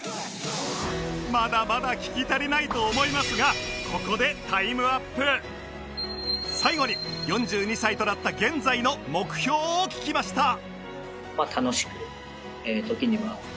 まだまだ聞き足りないと思いますがここで最後に４２歳となった現在の目標を聞きました